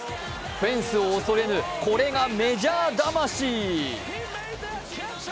フェンスを恐れぬ、これがメジャー魂。